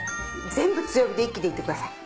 全部強火で一気にいってください。